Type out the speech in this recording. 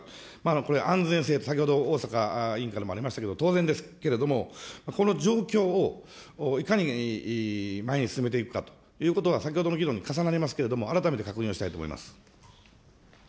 これ、安全性と先ほど、逢坂議員からありましたけれども、当然ですけれども、この状況を、いかに前に進めていくかということが、先ほどの議論に重なりますけれども、改めて確認をしたいと思います。